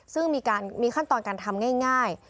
ซึ่งมีขั้นตอนการทำง่าย